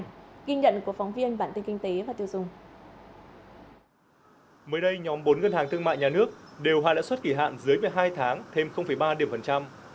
mới đây nhóm bốn ngân hàng thương mại nhà nước đều hạ lãi suất kỳ hạn dưới một mươi hai tháng thêm ba điểm phần trăm